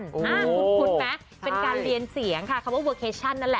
คุ้นไหมเป็นการเรียนเสียงค่ะคำว่าเวอร์เคชั่นนั่นแหละ